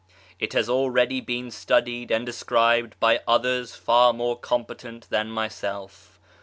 It has already been studied and described by others far more competent than myself.